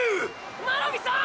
真波さん！！